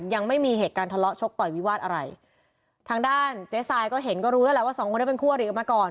ยังไม่มีเหตุการณ์ทะเลาะชกต่อยวิวาสอะไรทางด้านเจ๊ทรายก็เห็นก็รู้แล้วแหละว่าสองคนนี้เป็นคู่อริกันมาก่อน